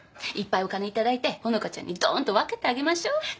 いっぱいお金頂いてほのかちゃんにどーんと分けてあげましょう。